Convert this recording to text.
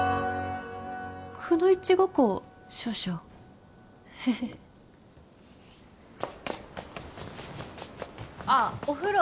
くのいちごっこを少々ヘヘヘああお風呂